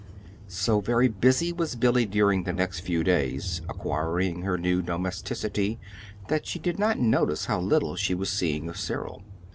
So very busy was Billy during the next few days, acquiring her new domesticity, that she did not notice how little she was seeing of Cyril.